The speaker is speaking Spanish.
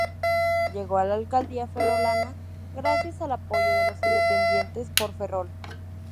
Llegó a la alcaldía ferrolana gracias al apoyo de los Independientes por Ferrol.